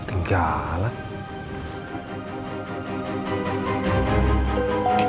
nanti saya jagain area ini